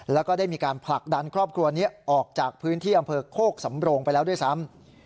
แล้วก็ได้มีการผลักดันครอบครัวนี้ออกจากพื้นที่อำเภอโคกสำโรงไปแล้วด้วยซ้ำ